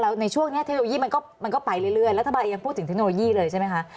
แล้วในช่วงนี้เทคโนโลยีมันก็ไปเรื่อยรัฐบาลยังพูดถึงเทคโนโลยีเลยใช่ไหมคะ